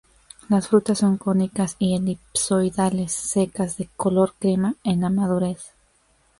Las frutas son cónicas y elipsoidales secas, de color crema en la madurez.